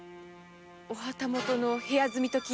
お旗本の部屋住みとか。